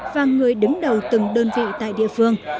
và người đứng đầu từng đơn vị tại địa phương